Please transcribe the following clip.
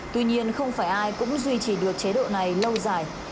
tuy nhiên không phải ai cũng duy trì được chế độ này lâu dài